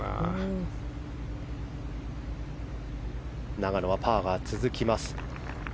永野はパーが続きます。